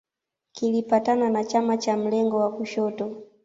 Kilipatana na chama cha mlengo wa kushoto